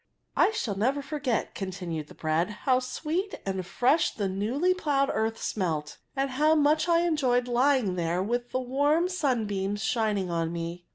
" I shall never forget," continued the bread, ^ how sweet and fresh the newly ploughed earth smelt, and how much I en * joyed lying there with the warm sunbeams shining on me.